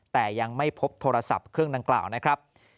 แต่ยังไม่พบโทรศัพท์เครื่องดังกล่าวนะครับ